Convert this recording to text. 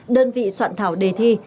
đơn vị soạn thảo đề thi